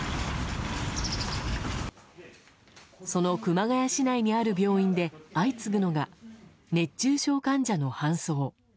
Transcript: その熊谷市内にある病院で相次ぐのが熱中症患者の搬送。